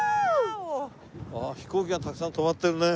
あっ飛行機がたくさん止まってるね。